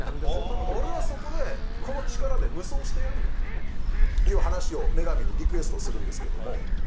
俺はそこで、この力で夢想してやるんだという話を女神にリクエストするんですけど。